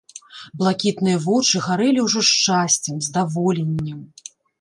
Блакітныя вочы гарэлі ўжо шчасцем, здаволеннем.